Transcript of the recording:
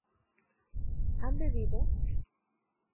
¿han bebido?